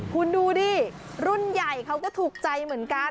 คุณดูดิรุ่นใหญ่เขาก็ถูกใจเหมือนกัน